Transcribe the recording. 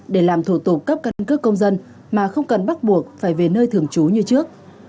để làm thủ tục cấp căn cước công dân mà không cần bắt buộc phải về nơi thường trú như trước